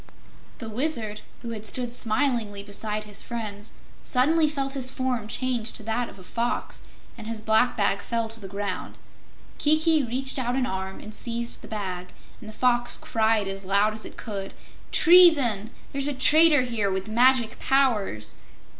The Wizard, who had stood smilingly beside his friends, suddenly felt his form change to that of a fox, and his black bag fell to the ground. Kiki reached out an arm and seized the bag, and the Fox cried as loud as it could: "Treason! There's a traitor here with magic powers!"